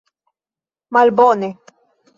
Malbone!